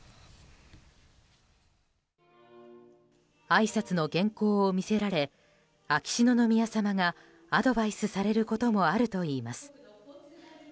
あいさつの原稿を見せられ秋篠宮さまがアドバイスされることもあるといいます。